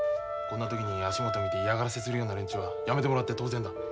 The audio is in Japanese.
こんな時に足元見て嫌がらせするような連中はやめてもらって当然だ。